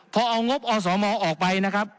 พอเอางบอสมออกไปนะครับ